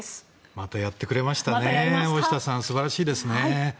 またやってくれましたね大下さん、素晴らしいですね。